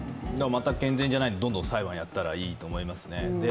全く健全じゃない、どんどん裁判をやったらいいと思いますね。